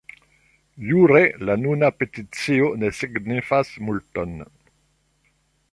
Jure la nuna peticio ne signifas multon.